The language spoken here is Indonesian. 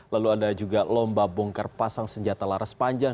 lalu ada juga lomba bongkar pasang senjata laras panjang